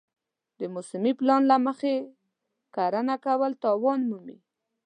د موسمي پلان له مخې کرنه کول تاوان کموي.